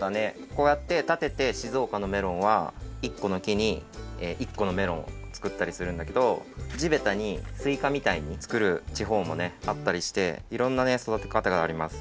こうやってたてて静岡のメロンは１このきに１このメロンをつくったりするんだけどじべたにスイカみたいにつくるちほうもあったりしていろんなそだてかたがあります。